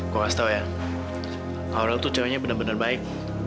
gue kasih tau ya aurel tuh ceweknya bener bener baik